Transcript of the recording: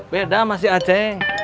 beda sama si aceh